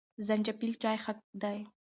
زنجبیل چای ښه دی.